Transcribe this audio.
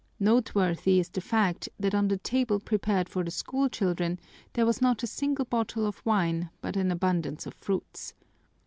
Noteworthy is the fact that on the table prepared for the school children there was not a single bottle of wine but an abundance of fruits.